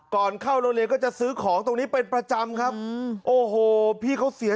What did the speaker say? ก่อนเข้าโรงเรียนก็จะซื้อของตรงนี้เป็นประจำครับโอ้โหพี่เขาเสีย